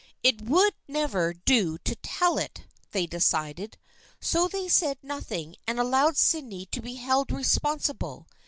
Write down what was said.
It would never do to tell it, they decided. So they said nothing and allowed Sydney to be held responsi ble.